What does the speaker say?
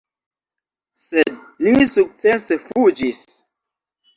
Sed li sukcese fuĝis.